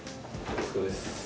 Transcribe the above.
お疲れさまです。